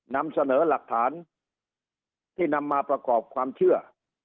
นำเสนอหลักฐานที่นำมาประกอบความเชื่อ